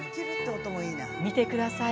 見てください。